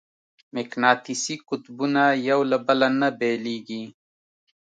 مقناطیسي قطبونه یو له بله نه بېلېږي.